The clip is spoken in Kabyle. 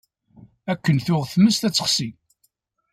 Akken tuɣ tmes ad texsi.